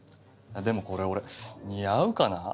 でもこれ俺似合うかな？